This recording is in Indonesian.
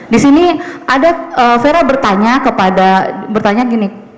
disini ada vera bertanya kepada bertanya gini